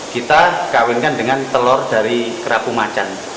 kita kawinkan dengan telur dari kerapu macan